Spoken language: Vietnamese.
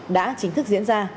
đã chính thức diễn ra